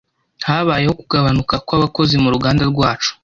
Habayeho kugabanuka kwabakozi muruganda rwacu.